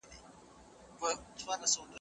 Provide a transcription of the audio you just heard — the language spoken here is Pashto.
که تدریس کمزوری وي نو پوهنه زیانمن کیږي.